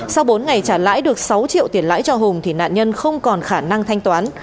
sau bốn ngày trả lãi được sáu triệu tiền lãi cho hùng thì nạn nhân không còn khả năng thanh toán